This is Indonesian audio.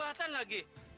jangan jangan lagi